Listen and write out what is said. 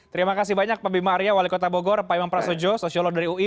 terima kasih banyak pak bima arya wali kota bogor pak imam prasojo sosiolog dari ui